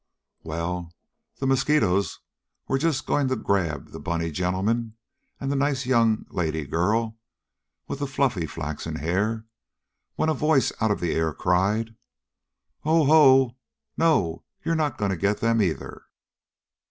Well, the mosquitoes were just going to grab the bunny gentleman, and the nice little young lady girl, with the fluffy flaxen hair, when a voice out of the air cried: "Oh, ho! No you're not going to get them, either!"